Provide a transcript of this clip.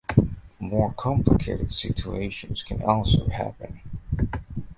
More complicated situations can also happen.